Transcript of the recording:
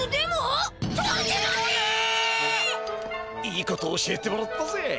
いいこと教えてもらったぜ。